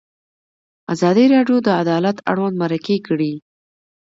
ازادي راډیو د عدالت اړوند مرکې کړي.